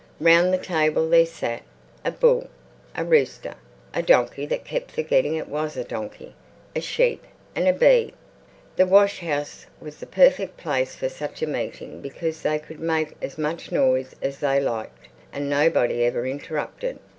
Round the table there sat a bull, a rooster, a donkey that kept forgetting it was a donkey, a sheep and a bee. The washhouse was the perfect place for such a meeting because they could make as much noise as they liked, and nobody ever interrupted.